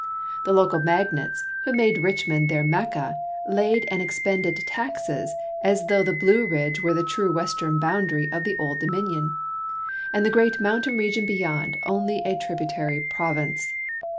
The local magnates, who made Richmond their Mecca, laid and expended taxes as though the Blue Ridge were the true western boundary of the " Old Dominion," and the great mountain region beyond only a tributary province.